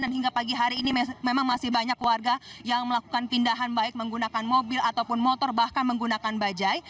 dan hingga pagi hari ini memang masih banyak warga yang melakukan pindahan baik menggunakan mobil ataupun motor bahkan menggunakan bajai